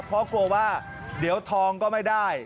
เพราะกลัวว่าเดี๋ยวทองก็ไม่ได้